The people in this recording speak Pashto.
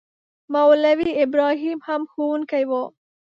مولوي ابراهیم هم ښوونکی وو.